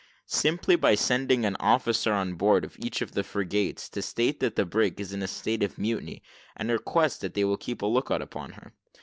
"Simply by sending an officer on board of each of the frigates to state that the brig is in a state of mutiny, and request that they will keep a look out upon her.